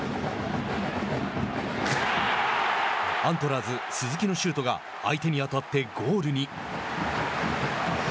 アントラーズ、鈴木のシュートが相手に当たってゴールに。